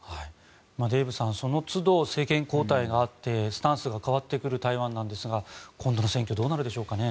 デーブさん、そのつど政権交代があってスタンスが変わってくる台湾なんですが今度の選挙どうなるでしょうかね。